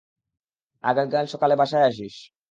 আগামীকাল সকালে বাসায় আসিস।